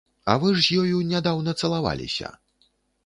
А вы ж з ёю нядаўна цалаваліся?